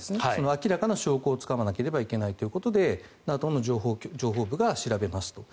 明らかな証拠をつかまなきゃいけないということでＮＡＴＯの情報部が調べますと。